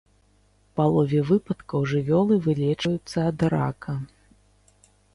У палове выпадкаў жывёлы вылечваюцца ад рака.